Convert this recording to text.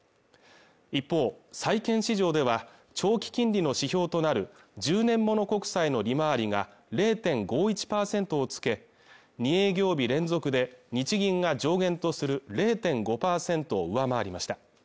一方債券市場では長期金利の指標となる１０年物国債の利回りが０．５１％を付け２営業日連続で日銀が上限とする０．５％を上回りました